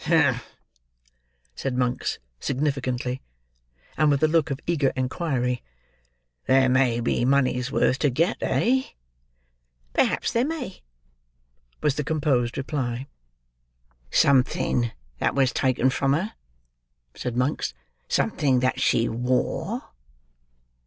"Humph!" said Monks significantly, and with a look of eager inquiry; "there may be money's worth to get, eh?" "Perhaps there may," was the composed reply. "Something that was taken from her," said Monks. "Something that she wore.